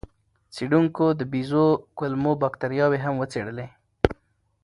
څېړونکو د بیزو کولمو بکتریاوې هم وڅېړې.